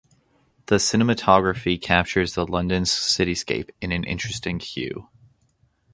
The cinematography captures the London cityscape in an interesting hue.